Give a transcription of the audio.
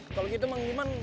kalau gitu emang gimana